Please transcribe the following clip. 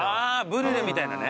ブリュレみたいなね。